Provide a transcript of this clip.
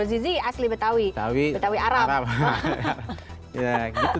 bang pilun yang suka pantun tuh itu prambanan solo